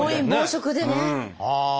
ああ！